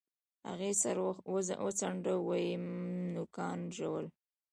هغې سر وڅنډه ويم نوکان ژوو.